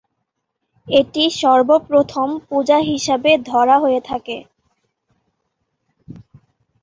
এটি সর্বপ্রথম পূজা হিসাবে ধরা হয়ে থাকে।